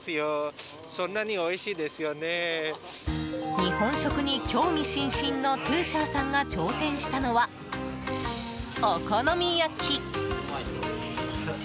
日本食に興味津々のトゥーシャーさんが挑戦したのは、お好み焼き。